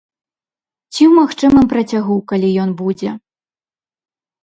Ці ў магчымым працягу, калі ён будзе.